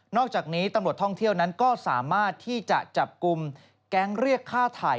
อกจากนี้ตำรวจท่องเที่ยวนั้นก็สามารถที่จะจับกลุ่มแก๊งเรียกค่าถ่าย